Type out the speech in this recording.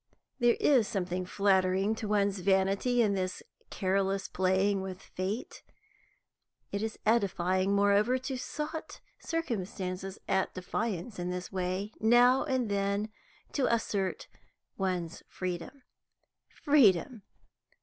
There is something flattering to one's vanity in this careless playing with fate; it is edifying, moreover, to set circumstances at defiance in this way, now and then, to assert one's freedom. Freedom!